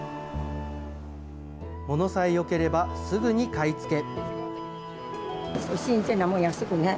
ものさえよければすぐに買い付け。